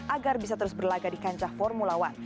agar bisa terus berlagak di kancah formulawan